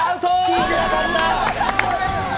聞いてなかった。